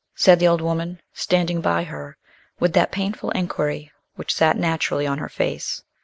said the old woman, standing by her with that painful enquiry which sat naturally on her face.